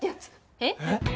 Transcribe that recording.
えっ！？